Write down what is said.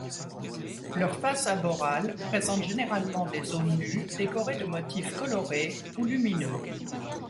Leur face aborale présente généralement des zones nues décorées de motifs colorés ou lumineux.